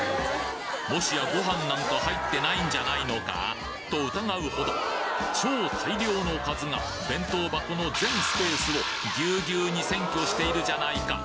もしやご飯なんか入ってないんじゃないのか？と疑うほど超大量のおかずが弁当箱の全スペースをギュウギュウに占拠しているじゃないか！